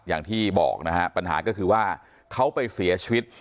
อย่างที่บอกนะฮะปัญหาก็คือว่าเขาไปเสียชีวิต